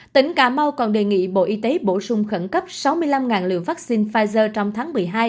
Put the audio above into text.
tỉnh cà mau còn đề nghị bộ y tế bổ sung khẩn cấp sáu mươi năm lượng vaccine pfizer trong tháng một mươi hai